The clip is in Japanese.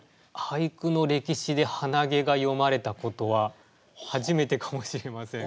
俳句の歴史で「はなげ」が詠まれたことは初めてかもしれません。